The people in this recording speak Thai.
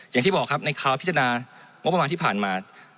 อย่างที่บอกครับในคราวพิจารณางบประมาณที่ผ่านมา